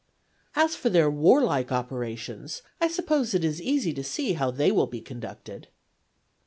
' As for their warlike operations, I suppose it is easy to see how they will be conducted.'